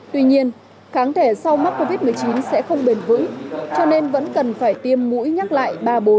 tuy nhiên kháng thể sau mắc covid một mươi chín sẽ không bền vững cho nên vẫn cần phải tiêm mũi nhắc lại ba bốn